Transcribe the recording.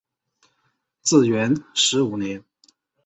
至元十五年。